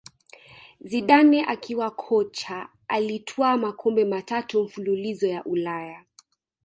Zidane akiwa kocha alitwaa makombe matatu mfululizo ya Ulaya